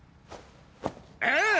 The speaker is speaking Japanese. ああ！